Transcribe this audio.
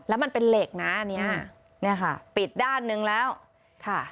แล้วมันเป็นเหล็กนะอันนี้เนี่ยค่ะปิดด้านหนึ่งแล้วค่ะ